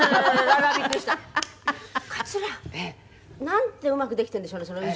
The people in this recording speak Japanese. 「なんてうまくできてるんでしょうね」